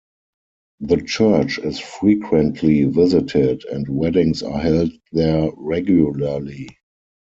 The church is frequently visited and weddings are held there regularly.